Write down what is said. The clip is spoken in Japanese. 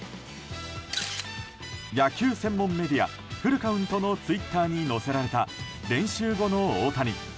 野球専門メディアフルカウントのツイッターに載せられた練習後の大谷。